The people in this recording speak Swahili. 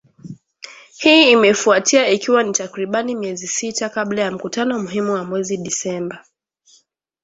Hii imefuatia ikiwa ni takribani miezi sita kabla ya mkutano muhimu wa mwezi Disemba